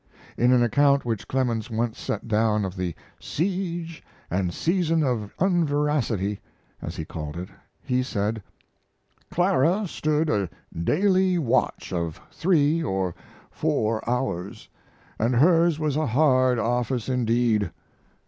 In an account which Clemens once set down of the "Siege and Season of Unveracity," as he called it, he said: Clara stood a daily watch of three or four hours, and hers was a hard office indeed.